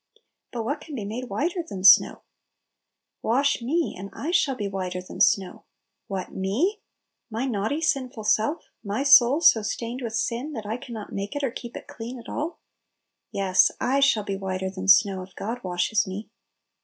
But what can be made "whiter than snow "? "Wash me, and I shall be whiter than snow I " What, me? my naughty, 28 Little Pillows. sinful self? my soul so stained with sin, that I can not make it or keep it clean at all? Yes, "i" shall be whiter than anow " if God washes me.